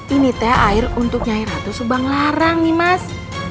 ini teh air untuk nyai ratu subang larang nimas